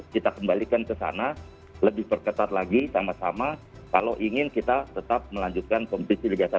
kita kembalikan ke sana lebih perketat lagi sama sama kalau ingin kita tetap melanjutkan kompetisi liga satu